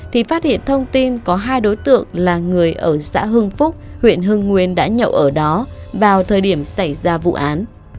thì phát hiện thông tin có hai đối tượng là người ở xã hưng phúc huyện hưng nguyên đã nhậu ở đó vào thời điểm xảy ra vụ án